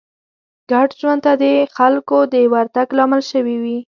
ګډ ژوند ته د خلکو د ورتګ لامل شوې وي